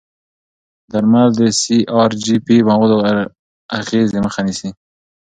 درمل د سي ار جي پي موادو اغېزې مخه نیسي.